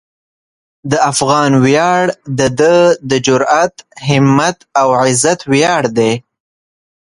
د افغان ویاړ د ده د جرئت، همت او عزت ویاړ دی.